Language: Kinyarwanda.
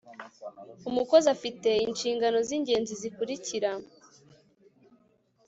umukozi afite inshingano z ingenzi zikurikira